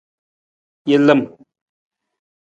Jalam.